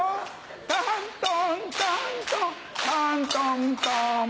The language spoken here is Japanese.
タントンタントンタントントン